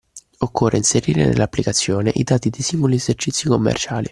Occorre inserire nell’applicazione i dati dei singoli esercizi commerciali.